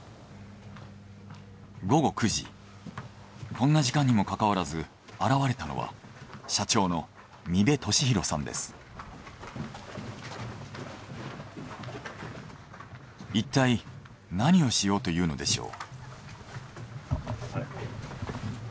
こんな時間にもかかわらず現れたのはいったい何をしようというのでしょう。